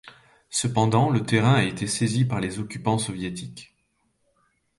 Cependant, le terrain a été saisi par les occupants soviétiques.